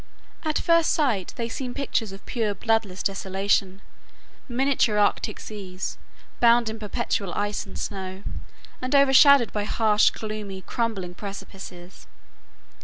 At first sight, they seem pictures of pure bloodless desolation, miniature arctic seas, bound in perpetual ice and snow, and overshadowed by harsh, gloomy, crumbling precipices.